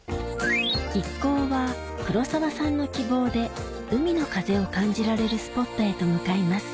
一行は黒沢さんの希望で海の風を感じられるスポットへと向かいます